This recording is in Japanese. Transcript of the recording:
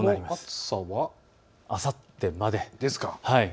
暑さはあさってまで。